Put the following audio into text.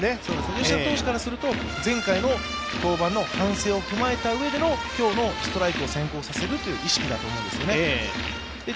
むしろ投手からすると、前回の登板の反省を踏まえたうえでの今日のストライクを先行させるという意識だと思うんですね。